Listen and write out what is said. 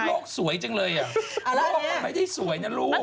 โลกสวยจังเลยอ่ะโลกมันไม่ได้สวยนะลูก